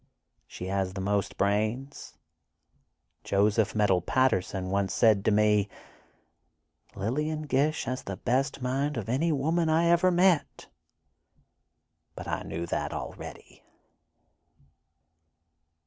She has the most brains. Joseph Medill Patterson once said to me: 'Lillian Gish has the best mind of any woman I ever met.' But I knew that, already."